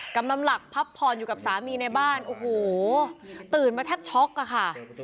กำลังหลักพักผ่อนอยู่กับสามีในบ้านโอ้โหตื่นมาแทบช็อกอะค่ะ